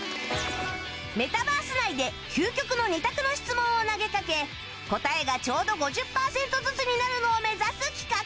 メタバース内で究極の２択の質問を投げかけ答えがちょうど５０パーセントずつになるのを目指す企画